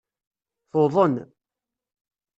Tuḍen.